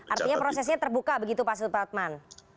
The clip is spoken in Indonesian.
artinya prosesnya terbuka begitu pak supratman